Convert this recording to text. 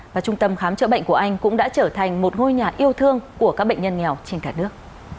và trung tâm khám chữa bệnh của anh cũng đã trở thành một ngôi nhà yêu thương của các bệnh nhân nghèo trên cả nước